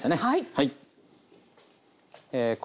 はい。